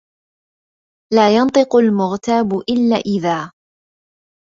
لا ينطق المغتاب إلا إذا